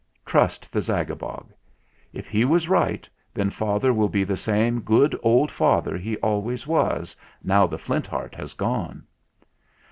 "Trust the Zagabog. If he was right, then father will be the same good old father he always was, now the Flint Heart has gone."